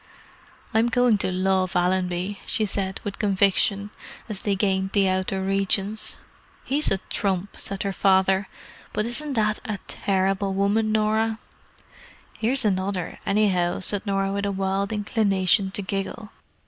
"I'm going to love Allenby," she said with conviction, as they gained the outer regions. "He's a trump!" said her father. "But isn't that a terrible woman, Norah!" "Here's another, anyhow," said Norah with a wild inclination to giggle.